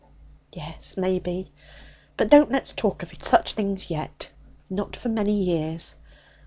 'Yes, maybe. But don't let's talk of such things yet, not for many years.